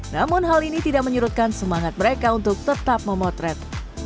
namun hal ini tidak menyurutkan semangat mereka untuk tetap memotret